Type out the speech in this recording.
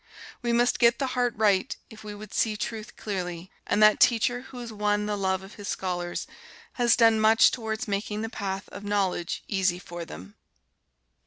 We must get the heart right if we would see truth clearly, and that teacher who has won the love of his scholars has done much towards making the path of knowledge easy for them.